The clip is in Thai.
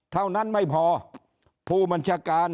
เท่านั้นไม่พอผู้บัญชาการ